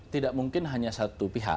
tidak mungkin hanya satu pihak